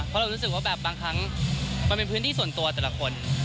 เพราะเรารู้สึกว่าแบบบางครั้งมันเป็นพื้นที่ส่วนตัวแต่ละคน